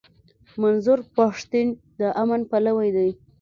منظور پښتين د امن پلوی دی.